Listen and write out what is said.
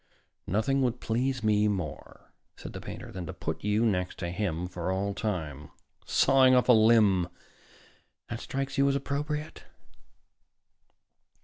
"Nothing would please me more," said the painter, "than to put you next to him for all time. Sawing off a limb that strikes you as appropriate?"